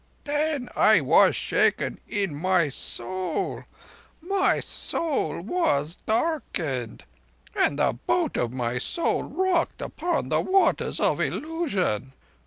Then I was shaken in my soul: my soul was darkened, and the boat of my soul rocked upon the waters of illusion.